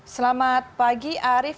selamat pagi arief